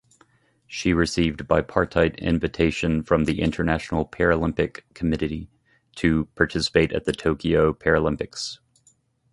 She received bipartite invitation from International Paralympic Committee to participate at the Tokyo Paralympics.